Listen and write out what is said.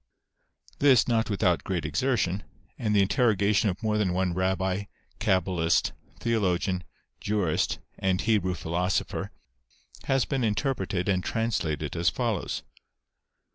This, not without great exertion, and the inter rogation of more than one Eabbi, Cabalist, theologian, jurist, and Hebrew philosopher, has been interpreted and translated as follows.